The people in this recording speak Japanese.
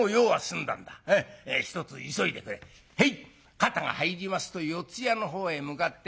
肩が入りますと四ッ谷のほうへ向かって。